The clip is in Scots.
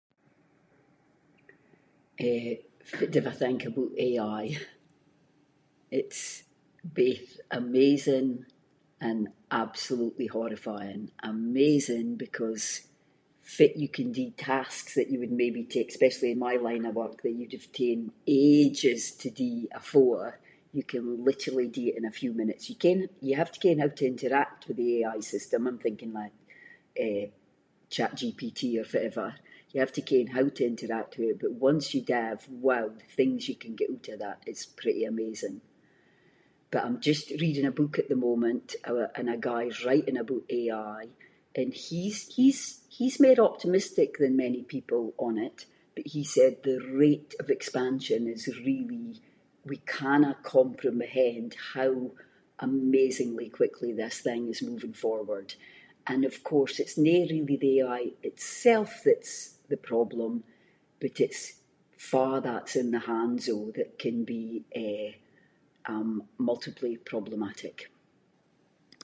Eh, fitt div I think aboot AI? It’s both amazing and absolutely horrifying. Amazing because fitt you can do tasks that would maybe take- especially in my line of work, that you’d have taen ages to do afore, you can literally do it in a few minutes. You ken- you have to ken how to interact with the AI system, I’m thinking like, eh, ChatGPT or fittever, you have to ken how to interact with it, but once you div, wow, the things you can get oot of that, it’s pretty amazing. But I’m just reading a book at the moment, [inc] and a guy’s writing aboot AI and he’s, he’s, he’s mair optimistic than many people on it, but he said the rate of expansion is really- we cannae comprehend how amazingly quickly this thing is moving forward. And of course, it's no really the AI itself that’s the problem, but it’s fa that’s in the hands of, that can be, eh, um, multiply problematic.